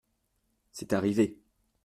C’est arrivé.